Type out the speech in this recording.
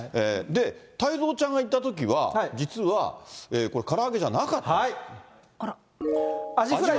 太蔵ちゃんが行ったときは、実はこれ、空上げじゃなかった。